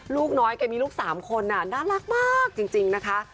ลูกน้อยแกมีลูก๓คนน่ารักมากจริงนะคะ